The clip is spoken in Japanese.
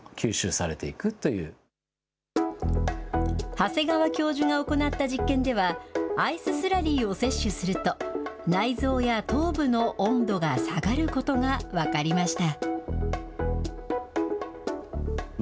長谷川教授が行った実験では、アイススラリーを摂取すると、内臓や頭部の温度が下がることが分かりました。